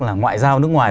là ngoại giao nước ngoài